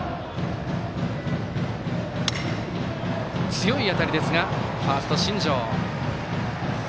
強い当たりですがファースト、新城。